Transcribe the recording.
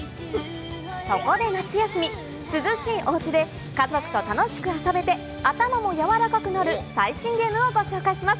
そこで夏休み、涼しいおうちで家族と楽しく遊べて、頭も柔らかくなる最新ゲームをご紹介します。